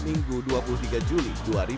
minggu dua puluh tiga juli dua ribu dua puluh